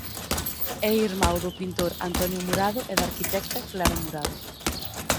É irmán do pintor Antonio Murado e da arquitecta Clara Murado.